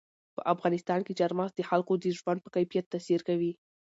په افغانستان کې چار مغز د خلکو د ژوند په کیفیت تاثیر کوي.